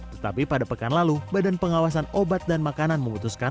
tetapi pada pekan lalu badan pengawasan obat dan makanan memutuskan